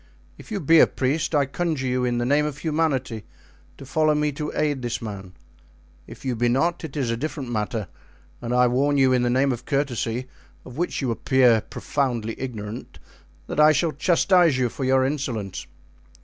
If you be a priest, I conjure you in the name of humanity to follow me to aid this man; if you be not, it is a different matter, and I warn you in the name of courtesy, of which you appear profoundly ignorant, that I shall chastise you for your insolence."